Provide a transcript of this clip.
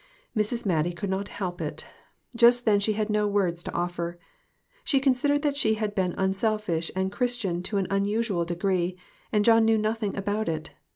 Mrs. Mattie could not help it. Just then she had no words to offer. She considered that she had been unselfish and Christian to an unusual degree, and John knew nothing about it.